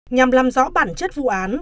nhằm làm rõ bản chất vụ án